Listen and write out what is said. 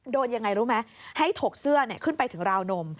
ยังไงรู้ไหมให้ถกเสื้อขึ้นไปถึงราวนม